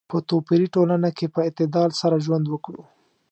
په توپیري ټولنه کې په اعتدال سره ژوند وکړو.